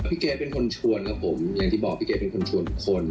พี่เกดเป็นคนชวนครับผมอย่างที่บอกพี่เกดเป็นคนชวนทุกคน